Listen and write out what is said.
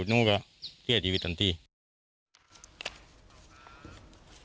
มีคนจมน้ำเสียชีวิต๔ศพแล้วเนี่ย